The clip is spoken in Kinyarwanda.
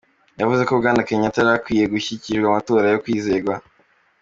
Yavuze ko Bwana Kenyatta yarakwiye gushigikira amatora yokwizegwa.